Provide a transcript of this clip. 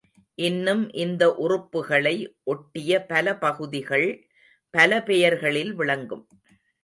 இன்னும் இந்த உறுப்புகளை ஒட்டிய பல பகுதி கள் பல பெயர்களில் விளங்கும்.